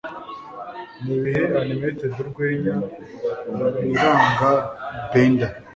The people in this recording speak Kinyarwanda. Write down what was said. Nibihe Animated Urwenya Ibiranga Bender?